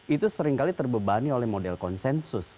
itu seringkali terbebani oleh model konsensus